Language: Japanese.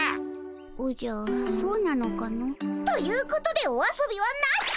おじゃそうなのかの。ということでお遊びはなし。